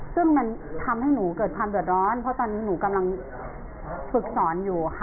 ซึ่งมันทำให้หนูเกิดความเดือดร้อน